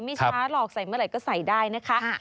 ไม่ช้าหรอกใส่เมื่อไหร่ก็ใส่ได้นะคะ